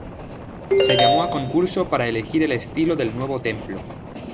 Se llamó a concurso para elegir el estilo del nuevo templo.